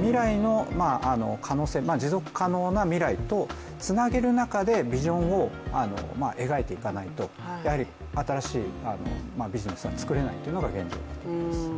未来の可能性、持続可能な未来とつなげる中でビジョンを描いていかないとやはり新しいビジネスは作れないというのが現状だと思います。